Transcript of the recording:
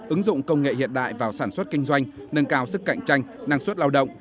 ứng dụng công nghệ hiện đại vào sản xuất kinh doanh nâng cao sức cạnh tranh năng suất lao động